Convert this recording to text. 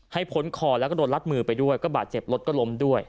พ้นคอแล้วก็โดนรัดมือไปด้วยก็บาดเจ็บรถก็ล้มด้วย